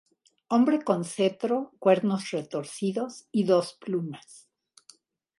Hombre con cetro, cuernos retorcidos y dos plumas.